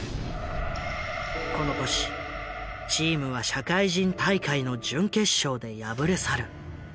この年チームは社会人大会の準決勝で敗れ去る。